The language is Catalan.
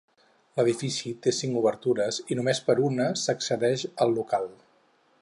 L'edifici té cinc obertures i només per una s'accedeix al local.